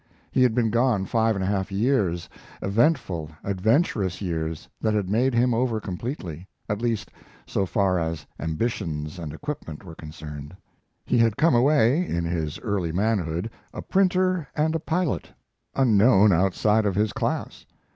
He had been gone five and a half years eventful, adventurous years that had made him over completely, at least so far as ambitions and equipment were concerned. He had came away, in his early manhood, a printer and a pilot, unknown outside of his class.